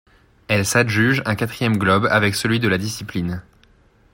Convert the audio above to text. Elle s'adjuge un quatrième globe avec celui de la discipline.